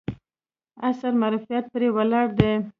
عصر معرفت پرې ولاړ دی.